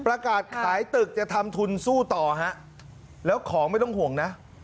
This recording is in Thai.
ประกาศขายตึกจะทำทุนสู้ต่อฮะแล้วของไม่ต้องห่วงนะ